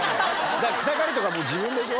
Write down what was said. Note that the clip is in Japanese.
草刈りとかも自分でしょ？